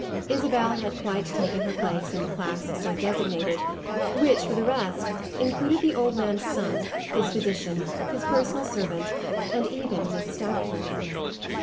Isabel had quite taken her place in the class so designated, which, for the rest, included the old man's son, his physician, his personal servant, and even Miss Stackpole.